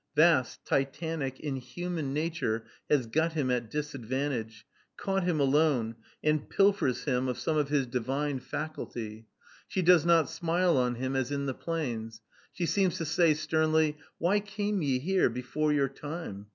Vast, Titanic, inhuman Nature has got him at disadvantage, caught him alone, and pilfers him of some of his divine faculty. She does not smile on him as in the plains. She seems to say sternly, Why came ye here before your time.